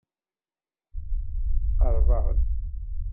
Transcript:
Qerrbeɣ-d.